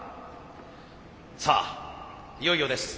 さあいよいよです。